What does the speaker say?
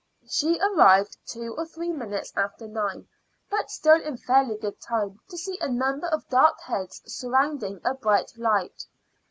She arrived two or three minutes after nine, but still in fairly good time to see a number of dark heads surrounding a bright light.